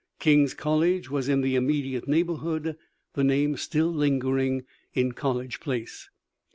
King's College was in the immediate neighborhood, the name still lingering in College Place.